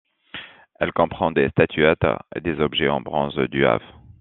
Elle comprend des statuettes et des objets en bronze du av.